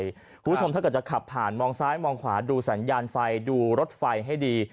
ถ้าเกิดจะขับผ่านมองซ้ายมองขวาดูสัญญาณไฟดูรถไฟให้ดี